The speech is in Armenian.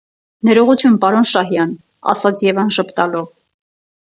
- Ներողություն, պարոն Շահյան,- ասաց Եվան ժպտալով: